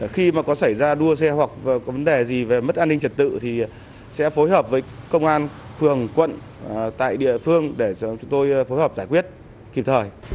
khi mà có xảy ra đua xe hoặc có vấn đề gì về mất an ninh trật tự thì sẽ phối hợp với công an phường quận tại địa phương để chúng tôi phối hợp giải quyết kịp thời